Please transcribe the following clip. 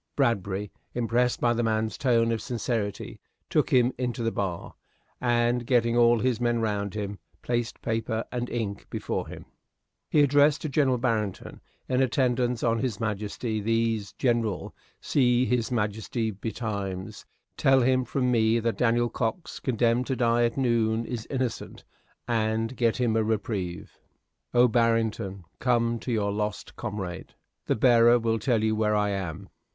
Bradbury, impressed by the man's tone of sincerity, took him into the bar, and getting all his men round him, placed paper and ink before him. He addressed to General Barrington, in attendance on His Majesty, these: General, See His Majesty betimes, tell him from me that Daniel Cox, condemned to die at noon, is innocent, and get him a reprieve. O Barrington, come to your lost comrade. The bearer will tell you where I am.